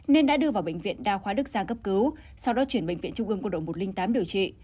nên đã đưa vào bệnh viện đa khoa đức giang cấp cứu sau đó chuyển bệnh viện trung ương quân đội một trăm linh tám điều trị